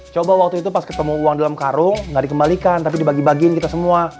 coba waktu itu pas ketemu uang dalam karung nggak dikembalikan tapi dibagi bagiin kita semua